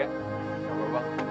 gak perlu bang